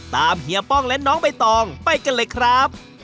เฮียป้องและน้องใบตองไปกันเลยครับ